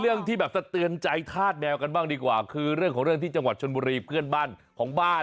ที่แบบสะเตือนใจธาตุแมวกันบ้างดีกว่าคือเรื่องของเรื่องที่จังหวัดชนบุรีเพื่อนบ้านของบ้าน